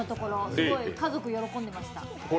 すごい家族、喜んでました。